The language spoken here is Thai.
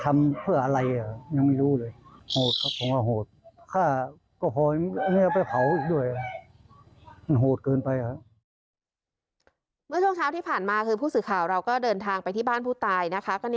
เมื่อช่วงเช้าที่ผ่านมาคือผู้สื่อข่าวเราก็เดินทางไปที่บ้านผู้ตายนะคะ